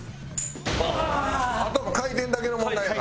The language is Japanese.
あとは回転だけの問題やから。